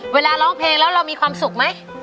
ร้องเพลงแล้วเรามีความสุขไหม